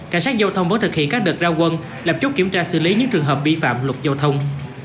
cảnh sát giao thông vẫn thực hiện các đợt ra quân lập chốt kiểm tra xử lý những trường hợp vi phạm luật giao thông